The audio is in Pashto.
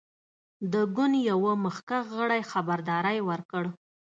د ګوند یوه مخکښ غړي خبرداری ورکړ.